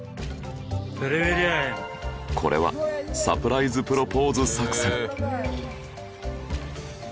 これはサプライズプロポーズ作戦